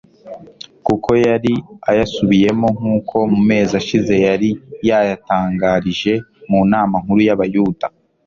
kuko yari ayasubiyemo nk'uko mu mezi ashize yari yayatangarije mu nama nkuru y'abayuda,